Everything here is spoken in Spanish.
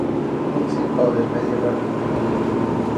Music of the Medieval Pilgrim.